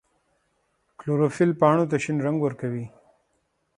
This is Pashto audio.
کلوروفیل پاڼو ته شین رنګ ورکوي